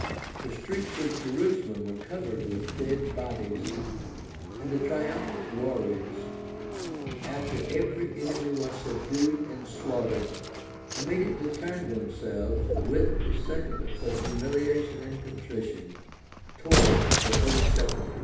[*] The streets of Jerusalem were covered with dead bodies;[] and the triumphant warriors, after every enemy was subdued and slaughtered, immediately turned themselves, with the sentiments of humiliation and contrition, towards the holy sepulchre.